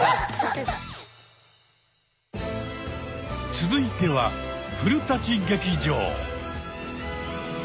続いては古劇場。